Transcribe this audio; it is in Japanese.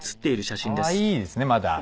可愛いですねまだ。